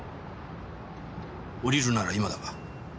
降りるなら今だ。